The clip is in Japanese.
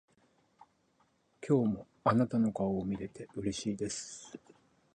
今日もあなたの顔を見れてうれしいです。